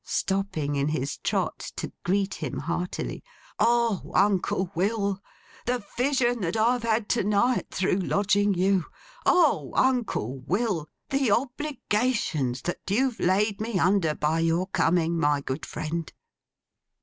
Stopping in his trot to greet him heartily. 'O, Uncle Will, the vision that I've had to night, through lodging you! O, Uncle Will, the obligations that you've laid me under, by your coming, my good friend!